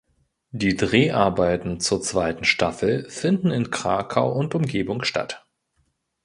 Die Dreharbeiten zur zweiten Staffel finden in Krakau und Umgebung statt.